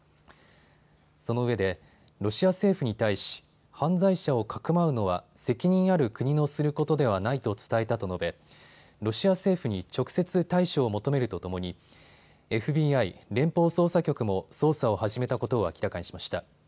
そのうえでロシア政府に対し犯罪者をかくまうのは責任ある国のすることではないと伝えたと述べ、ロシア政府に直接対処を求めるとともにＦＢＩ・連邦捜査局も捜査を始めたことを明らかにしました。